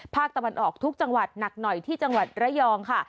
ภาคตะวันออกทุกจังหวัดหนักหน่อยที่จังหวัดระยองค่ะ